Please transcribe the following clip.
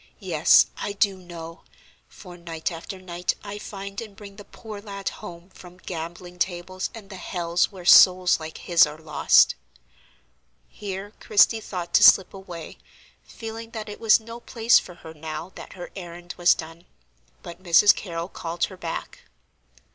Yes, I do know; for, night after night, I find and bring the poor lad home from gambling tables and the hells where souls like his are lost." Here Christie thought to slip away, feeling that it was no place for her now that her errand was done. But Mrs. Carrol called her back.